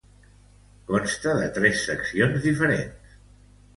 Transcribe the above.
Consta de tres seccions distintes.